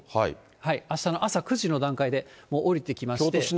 あしたの朝９時の段階で下りてきまして。